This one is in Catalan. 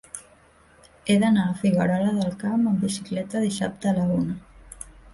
He d'anar a Figuerola del Camp amb bicicleta dissabte a la una.